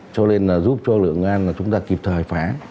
cho nên là giúp cho lượng an chúng ta kịp thời phá